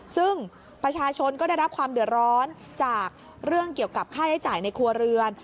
ซึ่งประชาชนก็ได้รับความเดือดร้อนจากเรื่องเกี่ยวกับค่าใช้จ่ายในครัวเรือน